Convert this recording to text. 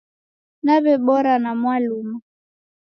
Naw'ebora na Mwaluma